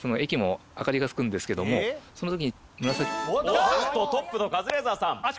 おっとトップのカズレーザーさん。